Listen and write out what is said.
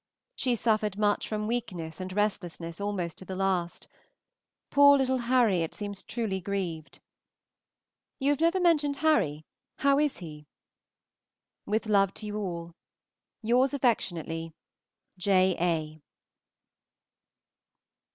She suffered much from weakness and restlessness almost to the last. Poor little Harriot seems truly grieved. You have never mentioned Harry; how is he? With love to you all, Yours affectionately, J. A.